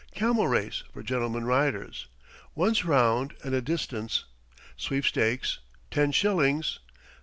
Camel race, for gentlemen riders. Once round and a distance. Sweepstakes, 10 shillings.